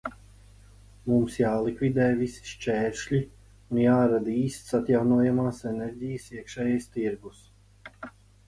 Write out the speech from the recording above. Mums jālikvidē visi šķēršļi un jārada īsts atjaunojamās enerģijas iekšējais tirgus.